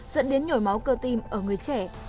dẫn đến nhồi máu cơ tim ở người trẻ